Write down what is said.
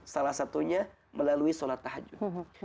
salah satunya melalui sholat tahajud